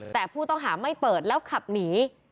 แต่ผู้ต้องหาไม่เปิดแล้วขับหนี